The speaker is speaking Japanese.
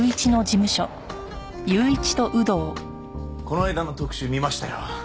この間の特集見ましたよ。